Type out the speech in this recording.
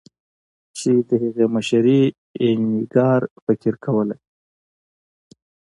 چې د هغې مشري اینیګار فقیر کوله.